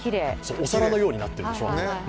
お皿のようになってるでしょう。